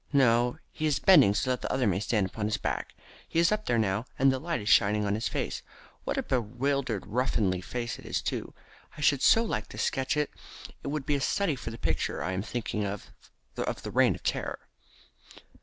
No, he is bending so that the other may stand upon his back. He is up there now, and the light is shining upon his face. What a bewildered ruffianly face it is too. I should so like to sketch it. It would be a study for the picture I am thinking of of the Reign of Terror."